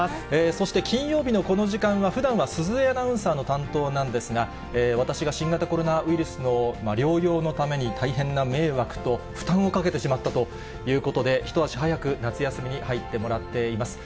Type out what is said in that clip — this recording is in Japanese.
そして金曜日のこの時間は、ふだんは鈴江アナウンサーの担当なんですが、私が新型コロナウイルスの療養のために、大変な迷惑と負担をかけてしまったということで、一足早く夏休みに入ってもらっています。